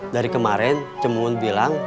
dari kemarin cimumun bilang